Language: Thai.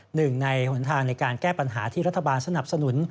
หนึ่งในหนทางในการแก้ปัญหาที่รัฐบาลสนับสนุน